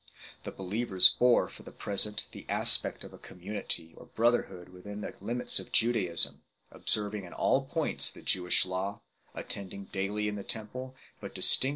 The believers bore for the present the aspect of a community or brotherhood within the limits of Judaism, observing in all points the Jewish Law, attending daily in the Temple, but distinguished from 1 G.